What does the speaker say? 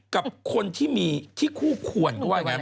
กับคนที่มีที่คู่ควร